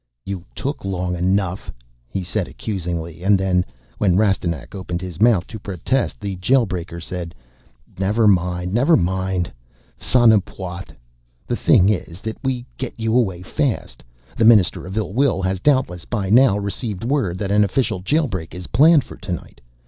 "You took long enough," he said accusingly and then, when Rastignac opened his mouth to protest, the Jail breaker said, "Never mind, never mind. Sa n'apawt. The thing is that we get you away fast. The Minister of Ill Will has doubtless by now received word that an official jail break is planned for tonight.